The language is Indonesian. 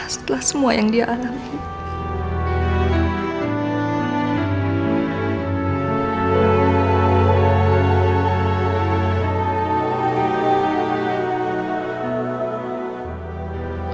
setelah semua yang dia alami